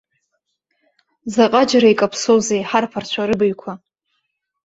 Заҟаџьара икаԥсоузеи ҳарԥарцәа рыбаҩқәа.